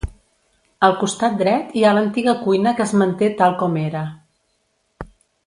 Al costat dret hi ha l'antiga cuina que es manté tal com era.